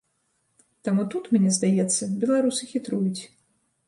Таму тут, мне здаецца, беларусы хітруюць.